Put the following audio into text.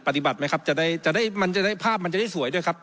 ปฏิบัติไหมครับจะได้จะได้มันจะได้ภาพมันจะได้สวยด้วยครับ